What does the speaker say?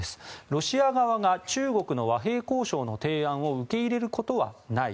ロシア側が中国の和平交渉の提案を受け入れることはない。